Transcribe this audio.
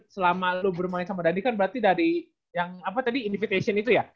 selama lu bermain sama dandi kan berarti dari yang invitation itu ya